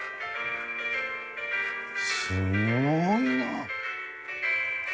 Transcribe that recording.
すごいな。